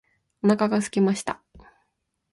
お腹がすきました